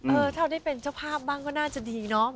เออถ้าได้เป็นเจ้าภาพบ้างก็น่าจะดีเนาะ